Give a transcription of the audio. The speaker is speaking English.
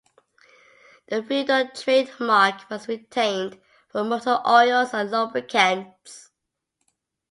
The Veedol trademark was retained for motor oils and lubricants.